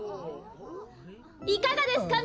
いかがですか？